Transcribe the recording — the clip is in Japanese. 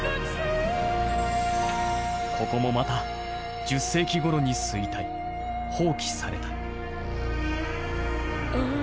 ここもまた１０世紀頃に衰退放棄された。